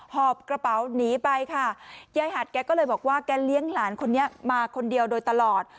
หอบกระเป๋าหนีไปค่ะยายหัดแกก็เลยบอกว่าแกเลี้ยงหลานคนนี้มาคนเดียวโดยตลอด